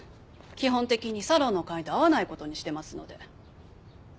基本的にサロンの会員と会わない事にしてますので。